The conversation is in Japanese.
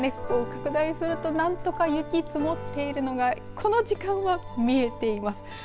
拡大すると何とか雪、積もっているのがこの時間は見えています。